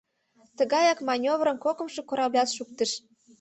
Тыгаяк манёврым кокымшо кораблят шуктыш.